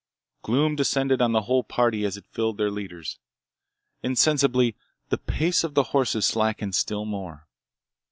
Gloom descended on the whole party as it filled their leaders. Insensibly, the pace of the horses slackened still more.